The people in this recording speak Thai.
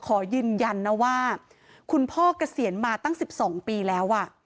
ขอยืนยันนะว่าคุณพ่อเกษียณมาตั้ง๑๒ปีแล้ว